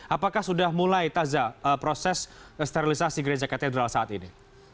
apakah sudah mulai taza proses sterilisasi gereja katedral saat ini